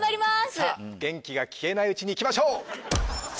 さあ元気が消えないうちにいきましょう！